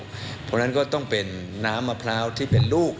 เพราะฉะนั้นก็ต้องเป็นน้ำมะพร้าวที่เป็นลูก